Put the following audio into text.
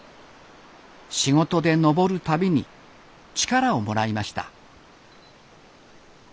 仕事で登る度に力をもらいました。